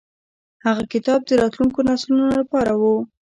هغه کتاب د راتلونکو نسلونو لپاره و.